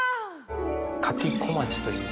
かき小町という。